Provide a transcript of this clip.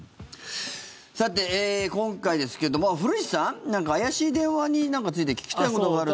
さて、今回ですけども古市さん怪しい電話について聞きたいことがあるって。